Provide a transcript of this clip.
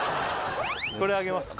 これあげます